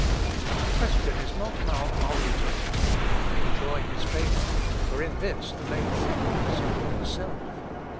The question is not how are we to obtain and enjoy His favor, for in this the main thing may still be self.